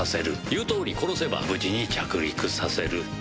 言うとおり殺せば無事に着陸させる。